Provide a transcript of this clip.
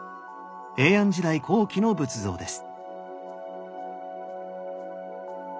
平安時代後期の仏像です。